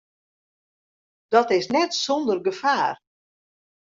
Dat is net sûnder gefaar.